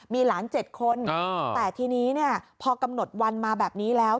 มีหลาน๗คนแต่ทีนี้พอกำหนดวันมาแบบนี้แล้ว